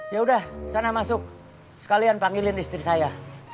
yaudah sana masuk sekalian panggilin istri saya